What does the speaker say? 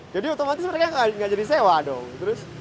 jadi otomatis mereka gak jadi sewa dong